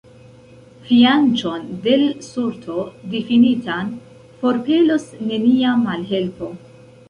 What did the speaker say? Fianĉon de l' sorto difinitan forpelos nenia malhelpo.